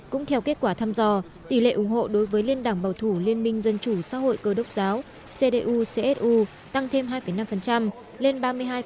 cũng theo kết quả thăm dò tỷ lệ ủng hộ đối với liên đảng bảo thủ liên minh dân chủ xã hội cơ đốc giáo cdu csu tăng thêm hai năm lên ba mươi hai